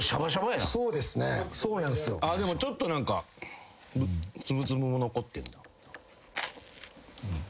でもちょっと何かつぶつぶも残ってんな。